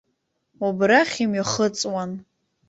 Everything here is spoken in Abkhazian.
Убрахь имҩахыҵуан.